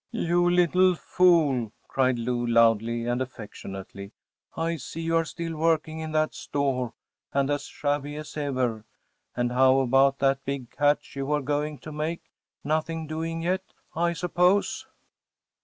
“You little fool!‚ÄĚ cried Lou, loudly and affectionately. “I see you are still working in that store, and as shabby as ever. And how about that big catch you were going to make‚ÄĒnothing doing yet, I suppose?